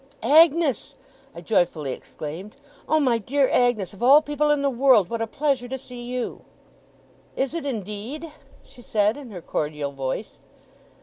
'Agnes!' I joyfully exclaimed. 'Oh, my dear Agnes, of all people in the world, what a pleasure to see you!' 'Is it, indeed?' she said, in her cordial voice.